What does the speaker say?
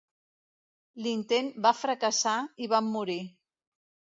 L'intent va fracassar i van morir.